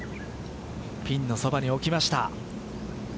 ピンのそばに置きました。